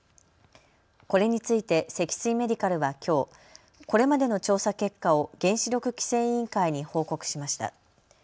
これについて積水メディカルはきょう、これまでの調査結果を原子力規制委員会に報告しました。